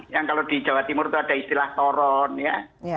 yang kalau di jawa timur itu ada istilah toron ya